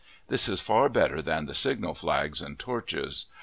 This is far better than the signal flags and torches.